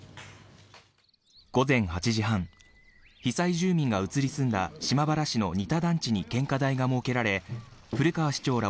午前８時半被災住民が移り住んだ島原市の仁田団地に献花台が設けられ古川市長ら